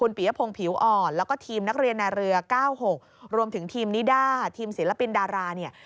ปียพงศ์ผิวอ่อนแล้วก็ทีมนักเรียนในเรือ๙๖รวมถึงทีมนิด้าทีมศิลปินดาราเนี่ย